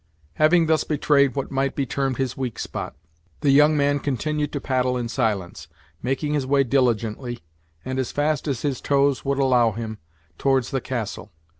Having thus betrayed what might be termed his weak spot, the young man continued to paddle in silence, making his way diligently, and as fast as his tows would allow him, towards the castle.